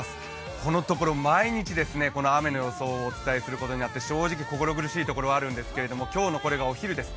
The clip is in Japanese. このところ毎日、雨の予想をお伝えすることになって正直、心苦しいところはあるんですが、今日のこれがお昼です。